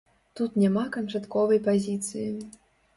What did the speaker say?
Тут няма канчатковай пазіцыі.